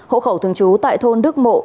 hộ khẩu thường trú tại thôn đức mộ